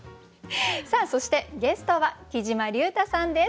さあそしてゲストはきじまりゅうたさんです。